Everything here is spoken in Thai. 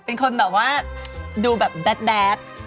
เป็นคนแบบว่าดูแบบแดด